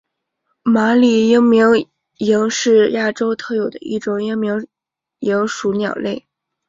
马里鹋鹩莺是澳洲特有的一种鹋鹩莺属鸟类。